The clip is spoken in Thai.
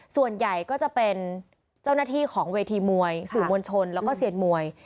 ส่วนใหญ่ก็จะเป็นเจ้าหน้าที่ของเวทีมวยสื่อมวลชนแล้วก็เซียนมวย